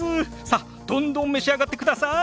さっどんどん召し上がってください！